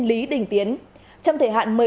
lý đình tiến trong thể hạn